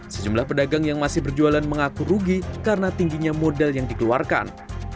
sejumlah pedagang yang masih berjualan mengaku rugi karena tingginya modal yang dikeluarkan